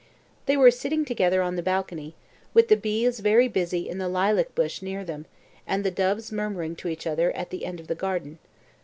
They were sitting together on the balcony, with the bees very busy in the lilac bush near them, and the doves murmuring to each other at the end of the garden.